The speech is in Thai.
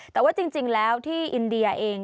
แต่ว่าจริงแล้วที่อินเดียเอง